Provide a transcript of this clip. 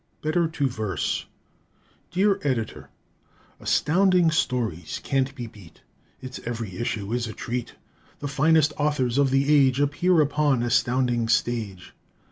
Better to Verse Dear Editor: Astounding Stories can't be beat; Its every issue is a treat. The finest authors of the age Appear upon Astounding's stage.